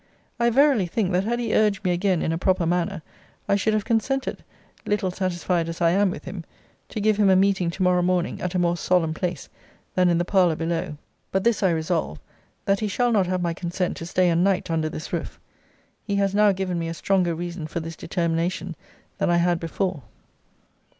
I verily think, that had he urged me again, in a proper manner, I should have consented (little satisfied as I am with him) to give him a meeting to morrow morning at a more solemn place than in the parlour below. But this I resolve, that he shall not have my consent to stay a night under this roof. He has now given me a stronger reason for this determination than I had before.